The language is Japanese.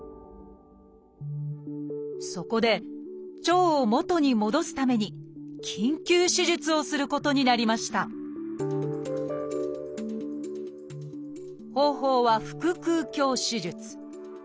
そこで腸を元に戻すために緊急手術をすることになりました方法は腹腔鏡手術。